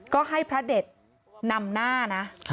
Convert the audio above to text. ก็ให้พระเด็ดนำหน้านะ